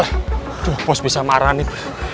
aduh pos bisa marah nih